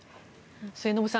末延さん